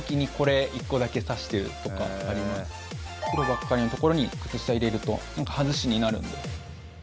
黒ばっかりのところに靴下入れると、外しになるので。